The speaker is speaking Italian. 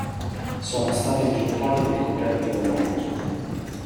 Sono stati sviluppati per competere con Microsoft.